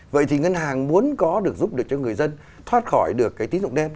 chính có được giúp được cho người dân thoát khỏi được cái tín dụng đen